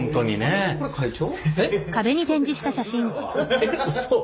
えっうそ？